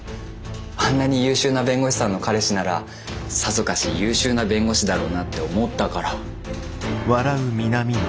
あんなに優秀な弁護士さんの彼氏ならさぞかし優秀な弁護士だろうなって思ったから。